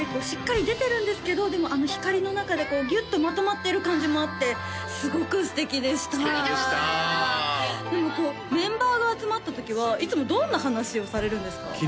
しっかり出てるんですけどでもあの光の中でこうギュッとまとまってる感じもあってすごく素敵でした素敵でしたでもこうメンバーが集まったときはいつもどんな話をされるんですか？